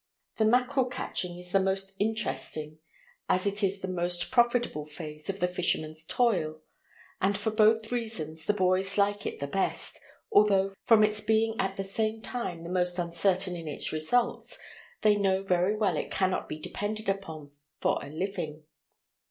The mackerel catching is the most interesting as it is the most profitable phase of the fisherman's toil, and for both reasons the boys like it the best, although from its being at the same time the most uncertain in its results, they know very well it cannot be depended upon for a living.